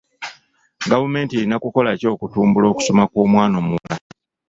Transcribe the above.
Gavumenti erina kukola ki okutumbula okusoma kw'omwana omuwala?